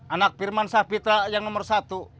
anak firman sapitra yang nomor satu